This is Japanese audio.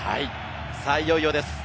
さぁいよいよです。